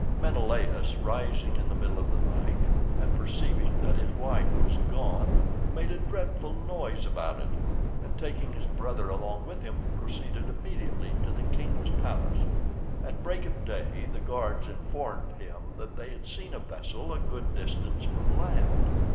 Menelaus, rising in the middle of the night, and perceiving that his wife was gone, made a dreadful noise about it, and, taking his brother along with him, proceeded immediately to the king's palace. At break of day the guards informed him that they had seen a vessel a good distance from land.